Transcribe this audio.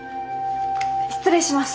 失礼します。